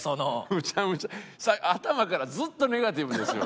むちゃむちゃ頭からずっとネガティブですよ。